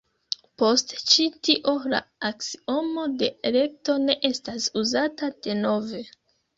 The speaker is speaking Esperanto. Post ĉi tio, la aksiomo de elekto ne estas uzata denove.